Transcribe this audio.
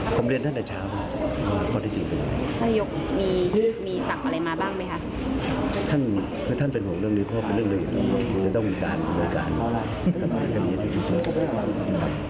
ผมเรียนตั้งแต่เช้าค่ะค่ะค่ะค่ะค่ะ